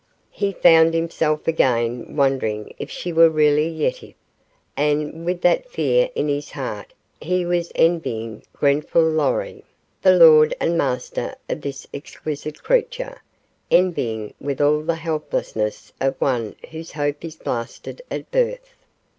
He found himself again wondering if she were really Yetive, and with that fear in his heart he was envying Grenfall Lorry, the lord and master of this exquisite creature, envying with all the helplessness of one whose hope is blasted at birth.